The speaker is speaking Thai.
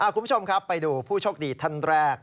คุณผู้ชมครับไปดูผู้โชคดีท่านแรก